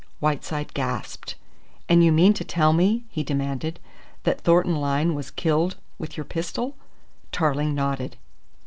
Whiteside gasped. "And you mean to tell me," he demanded, "that Thornton Lyne was killed with your pistol?" Tarling nodded.